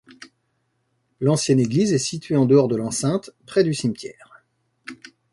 L'ancienne église est située en dehors de l'enceinte, près du cimetière.